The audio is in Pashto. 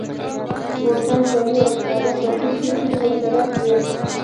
بوټان، جامې او سکاره په څه شي کې مشترک دي